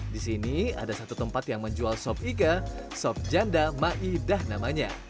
di sini ada satu tempat yang menjual sop iga sop janda maidah ⁇ namanya